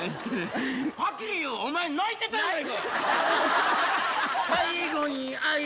はっきり言う、お前、泣いてない！